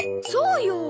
そうよ！